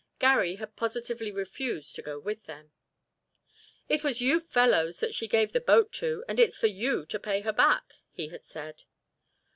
Garry had positively refused to go with them. "It was you fellows that she gave the boat to and it's for you to pay her back," he had said.